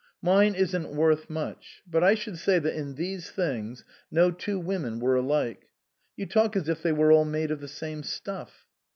"Mine isn't worth much. But I should say that in these things no two women were alike. You talk as if they were all made of the same stuff."